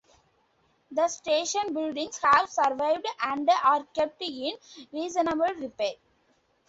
The station buildings have survived and are kept in reasonable repair.